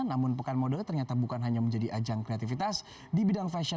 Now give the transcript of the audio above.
namun pekan mode ternyata bukan hanya menjadi ajang kreativitas di bidang fashion